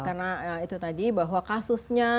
karena itu tadi bahwa kasusnya